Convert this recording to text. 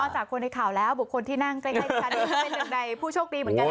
จากคนในข่าวแล้วบุคคลที่นั่งใกล้ดิฉันก็เป็นหนึ่งในผู้โชคดีเหมือนกัน